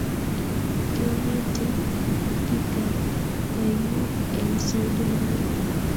Kiomete bikap koinyuu eng Saudi Arabia